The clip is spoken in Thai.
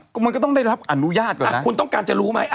ก็มันก็ต้องได้รับอนุญาตก่อนคุณต้องการจะรู้ไหม